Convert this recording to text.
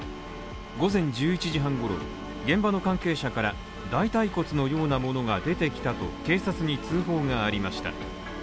午前１１時半ごろ、現場の関係者から大たい骨のようなものが出てきたと警察に通報がありました。